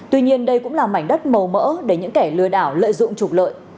tuy nhiên đây cũng là mảnh đất màu mỡ để những kẻ lừa đảo lợi dụng trục lợi